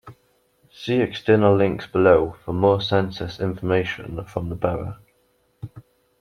See external links below for more census information from the borough.